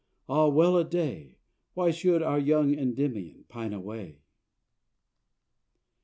Ah, well a day, Why should our young Endymion pine away!"